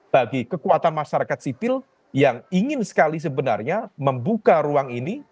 bagi kekuatan masyarakat sipil yang ingin sekali sebenarnya membuka ruang ini